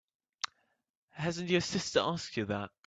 Hasn't your sister asked you that?